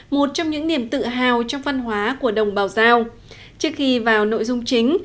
một trong những niềm tự hào trong văn hóa của đồng bào giao trước khi vào nội dung chính